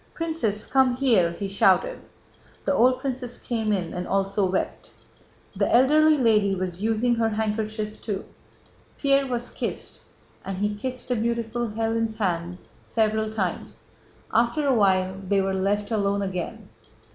"Princess, come here!" he shouted. The old princess came in and also wept. The elderly lady was using her handkerchief too. Pierre was kissed, and he kissed the beautiful Hélène's hand several times. After a while they were left alone again.